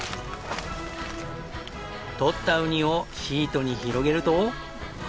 獲ったウニをシートに広げると。